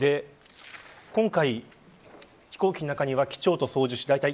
今回飛行機の中には機長と操縦士だいたい